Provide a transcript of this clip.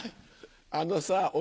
あのさお